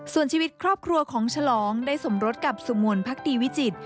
ส่วนชีวิตครอบครัวของฉลองได้สมรสกับสุมวลพักดีวิจิตร